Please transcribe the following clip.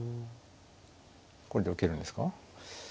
これで受けるんですか？